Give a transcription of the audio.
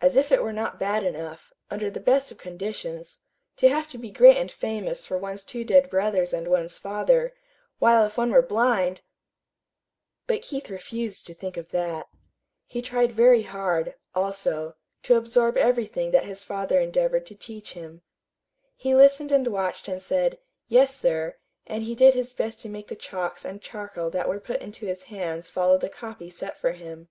As if it were not bad enough, under the best of conditions, to have to be great and famous for one's two dead brothers and one's father; while if one were blind But Keith refused to think of that. He tried very hard, also, to absorb everything that his father endeavored to teach him. He listened and watched and said "yes, sir," and he did his best to make the chalks and charcoal that were put into his hands follow the copy set for him.